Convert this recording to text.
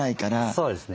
そうですね。